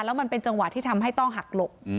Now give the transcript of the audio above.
แล้วมันเป็นจังหวะที่ทำให้ต้องหักหลบ